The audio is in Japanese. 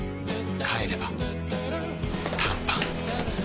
帰れば短パン